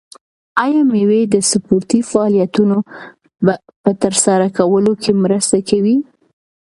آیا مېوې د سپورتي فعالیتونو په ترسره کولو کې مرسته کوي؟